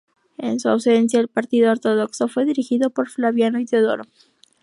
En su ausencia, el partido ortodoxo fue dirigido por Flaviano y Teodoro.